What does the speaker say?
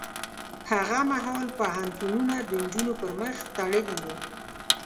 هغه مهال پوهنتونونه د نجونو پر مخ تړلي وو.